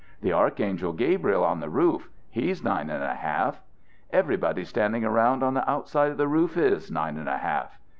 The Archangel Gabriel on the roof, he's nine and a half. Everybody standing around on the outside of the roof is nine and a half.